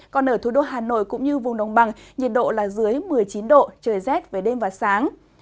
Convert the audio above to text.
còn ở thủ đô hà nội cũng như vùng đồng bằng nhiệt độ là dưới một mươi chín độ trời rét về đêm và sáng